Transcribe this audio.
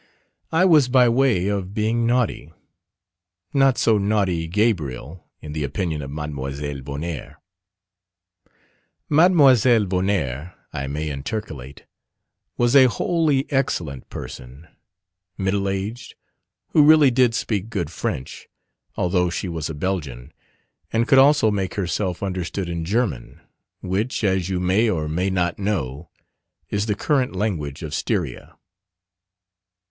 I was by way of being naughty not so naughty Gabriel in the opinion of Mlle Vonnaert. Mlle Vonnaert. I may intercalate, was a wholly excellent person, middle aged, who really did speak good French, although she was a Belgian, and could also make herself understood in German, which, as you may or may not know, is the current language of Styria.